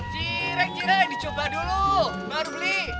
cireng cireng dicoba dulu baru beli